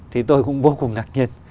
thì tôi cũng vô cùng ngạc nhiên